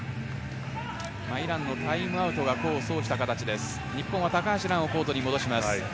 イランのタイムアウトが功を奏した形です。